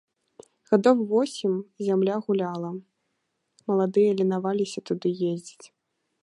Гадоў восем зямля гуляла, маладыя ленаваліся туды ездзіць.